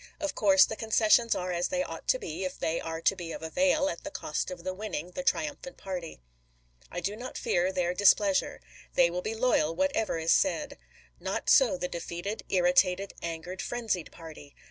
Of course the concessions are as they ought to be, if they are to be of avail, at the cost of the winning, the triumphant party. I do not fear their 320 ABRAHAM LINCOLN chap. xxi. displeasure. They will be loyal, whatever is said. Not so the defeated, irritated, angered, frenzied party.